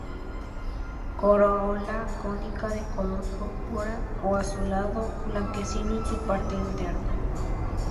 Corola cónica, de color púrpura o azulado, blanquecino en su parte interna.